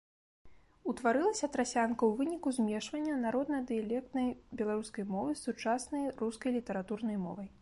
Утварылася трасянка ў выніку змешвання народна-дыялектнай беларускай мовы з сучаснай рускай літаратурнай мовай.